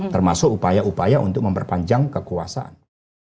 termasuk upaya upaya untuk memperpanjang kekuasaan